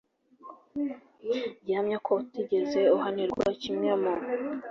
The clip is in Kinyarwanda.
gihamya ko utigeze uhanirwa kimwe mu